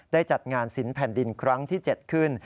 ได้จัดงานสินแผ่นดินครั้งที่๗ขึ้น